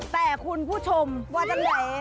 แต่คุณผู้ชมว่าทางไหน